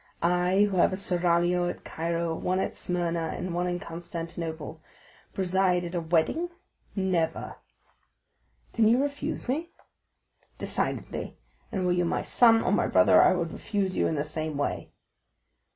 I, who have a seraglio at Cairo, one at Smyrna, and one at Constantinople, preside at a wedding?—never!" "Then you refuse me?" "Decidedly; and were you my son or my brother I would refuse you in the same way."